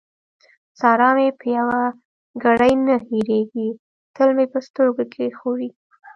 سارا مې په يوه ګړۍ نه هېرېږي؛ تل مې په سترګو کې ښوري.